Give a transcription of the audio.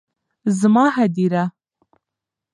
زما هديره